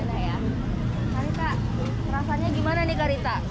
kak rita perasaannya gimana nih kak rita